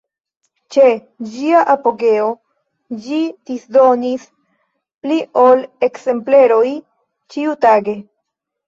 Ĉe ĝia apogeo, ĝi disdonis pli ol ekzempleroj ĉiutage.